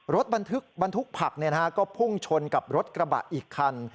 รถบรรทุกผักก็พุ่งชนกับรถกระบะอีกคัน